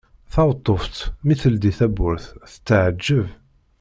Taweṭṭuft mi d-teldi tawwurt tettɛeǧǧeb.